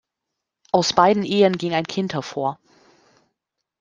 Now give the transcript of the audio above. Aus beiden Ehen ging ein Kind hervor.